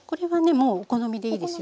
もうお好みでいいですよ。